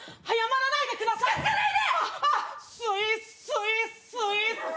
早まらないでください